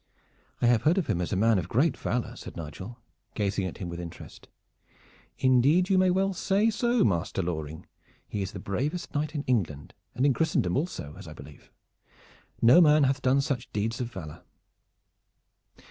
"I have heard of him as a man of great valor," said Nigel, gazing at him with interest. "Indeed, you may well say so, Master Loring. He is the bravest knight in England, and in Christendom also, as I believe. No man hath done such deeds of valor."